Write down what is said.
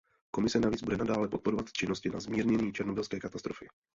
Komise navíc bude nadále podporovat činnosti na zmírnění černobylské katastrofy.